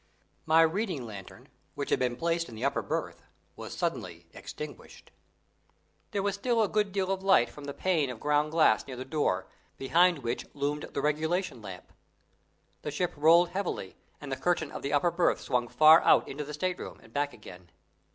My reading lantern, which had been placed in the upper berth, was suddenly extinguished. There was still a good deal of light from the pane of ground glass near the door, behind which loomed the regulation lamp. The ship rolled heavily, and the curtain of the upper berth swung far out into the state room and back again.